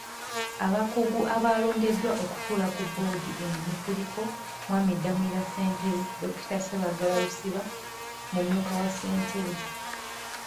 Abakugu abalondeddwa okutuula ku boodi eno kuliko; Mw.Damulira Ssentebe, Dr. Ssebaggala Lusiba mumyuka wa ssentebe.